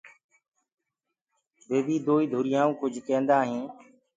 وي بي دوئيٚ ڌُريانٚوٚ ڪُج ڪيندآ هينٚ۔